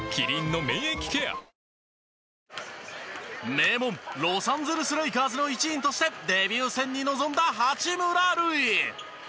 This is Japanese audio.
名門ロサンゼルス・レイカーズの一員としてデビュー戦に臨んだ八村塁。